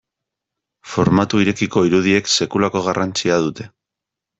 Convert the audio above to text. Formatu irekiko irudiek sekulako garrantzia dute.